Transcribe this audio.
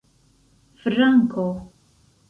franko